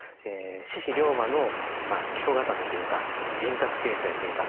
志士龍馬の基礎固めというか人格形成というか。